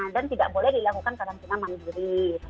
dan tidak boleh dilakukan karantina mandiri